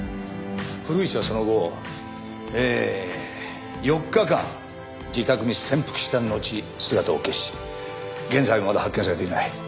古市はその後えー４日間自宅に潜伏したのち姿を消し現在まで発見されていない。